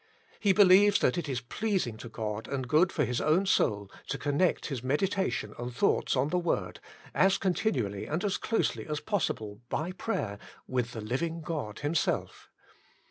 He be lieves that it is pleasing to God and good for his own soul, to connect his meditation and thoughts on the Word, as continually and as closely as possi ble, by prayer, with the living God Himself.